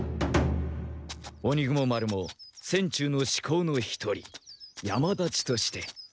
鬼蜘蛛丸も船中の四功の一人山立として。